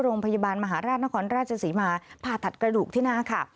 โรงพยาบาลมหาราชนครราชศรีมาผ่าตัดกระดูกที่หน้าค่ะ